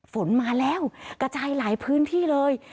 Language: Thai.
ฝนมาแล้วกระจายหลายพื้นที่เลย